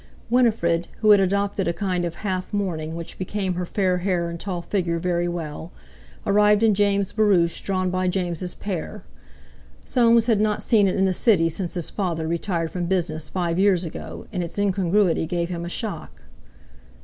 Winifred, who had adopted a kind of half mourning which became her fair hair and tall figure very well, arrived in James' barouche drawn by James' pair. Soames had not seen it in the City since his father retired from business five years ago, and its incongruity gave him a shock.